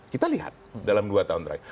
kita lihat dalam dua tahun terakhir